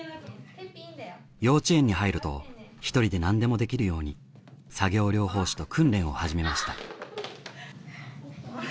幼稚園に入ると一人でなんでもできるように作業療法士と訓練を始めました。